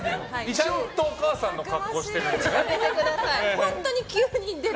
ちゃんとお母さんの格好してるよね。